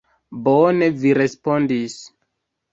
Bone vi respondis.